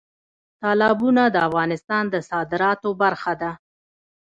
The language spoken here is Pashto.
تالابونه د افغانستان د صادراتو برخه ده.